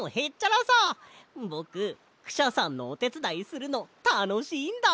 ぼくクシャさんのおてつだいするのたのしいんだ！